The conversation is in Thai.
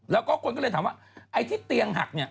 แล้วก็คนก็เลยถามว่าไอ้ที่เตียงหักเนี่ย